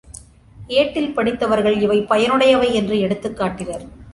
ஏட்டில் படித்தவர்கள் இவை பயன் உடையவை என்று எடுத்துக் காட்டினர்.